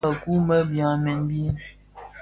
A dhikpaa, bi mëku më byamèn bi.